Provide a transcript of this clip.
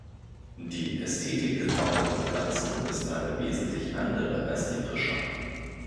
Die Ästhetik getrockneter Pflanzen ist eine wesentlich andere als die frischer.